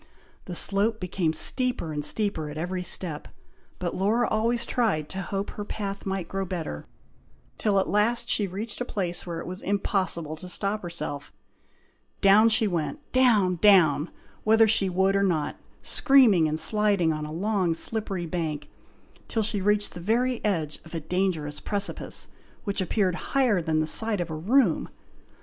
The slope became steeper and steeper at every step; but Laura always tried to hope her path might grow better, till at last she reached a place where it was impossible to stop herself. Down she went, down! down! whether she would or not, screaming and sliding on a long slippery bank, till she reached the very edge of a dangerous precipice, which appeared higher than the side of a room.